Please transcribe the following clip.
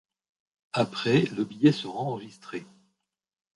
Après, le billet sera enregistré.